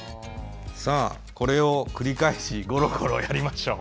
これを繰り返しゴロゴロやりましょう。